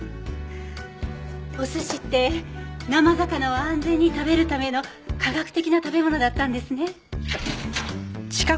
お寿司って生魚を安全に食べるための科学的な食べ物だったんですね。